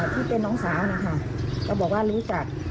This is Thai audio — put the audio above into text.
ที่เป็นน้องสาวนะคะก็บอกว่ารู้จัก